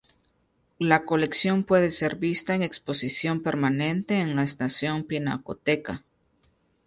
La colección puede ser vista en exposición permanente en la Estación Pinacoteca.